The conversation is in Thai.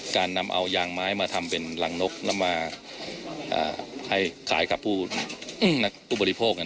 การนำเอายางไม้มาทำเป็นรังนกแล้วมาให้ขายกับผู้บริโภค